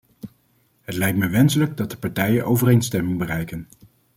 Het lijkt mij wenselijk dat de partijen overeenstemming bereiken.